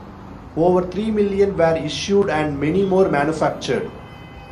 Over three million were issued and many more manufactured.